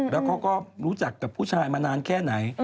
แล้วเขาก็รู้จักกับผู้ชายมานานแค่ไหน